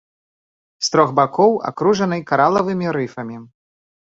З трох бакоў акружаны каралавымі рыфамі.